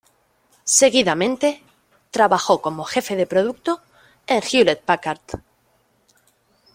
Seguidamente, trabajó como jefe de producto en Hewlett-Packard.